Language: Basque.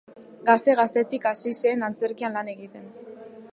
Gazte gaztetik hasi zen antzerkian lan egiten.